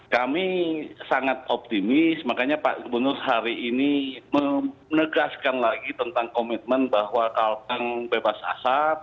kami sangat optimis makanya pak gubernur hari ini menegaskan lagi tentang komitmen bahwa kalpang bebas asap